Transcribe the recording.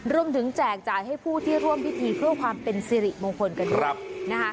แจกจ่ายให้ผู้ที่ร่วมพิธีเพื่อความเป็นสิริมงคลกันด้วยนะคะ